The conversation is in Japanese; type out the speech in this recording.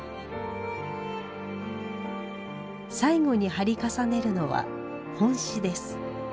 最後に貼り重ねるのは本紙です。